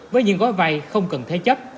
với những gói vay không cần thế chấp